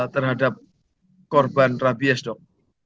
terhadap korban rabies dok